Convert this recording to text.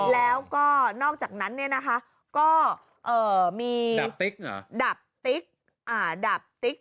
แล้วก็นอกจากนั้นเนี่ยนะคะก็เอ่อมีดับติ๊กหรอดับติ๊กอ่าดับติ๊ก